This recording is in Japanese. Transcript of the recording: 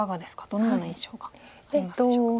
どのような印象がありますでしょうか。